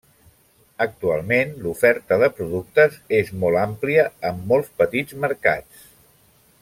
Actualment l'oferta de productes és molt àmplia amb molts petits mercats.